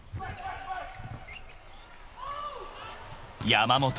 ［山本。